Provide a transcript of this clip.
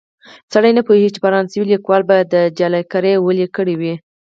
سړی نه پوهېږي چې فرانسوي لیکوال به دا جعلکاري ولې کړې وي.